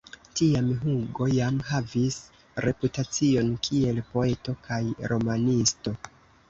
Tiam Hugo jam havis reputacion kiel poeto kaj romanisto.